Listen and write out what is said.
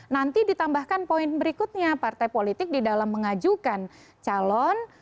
nanti ditambahkan poin berikutnya partai politik di dalam mengajukan calon